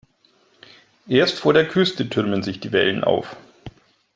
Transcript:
Erst vor der Küste türmen sich die Wellen auf.